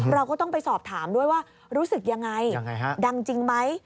เราก็ต้องไปสอบถามด้วยว่ารู้สึกยังไงดังจริงไหม